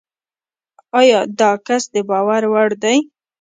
ایا داکس دباور وړ دی؟